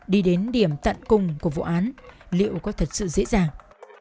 đi đến điểm tận cùng của vụ án liệu có thật sự dễ dàng